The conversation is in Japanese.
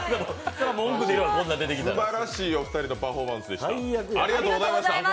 すばらしいお二人のパフォーマンスでした。